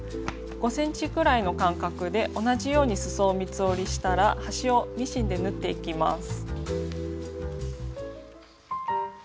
５ｃｍくらいの間隔で同じようにすそを三つ折りしたら端をミシンで縫っていきます。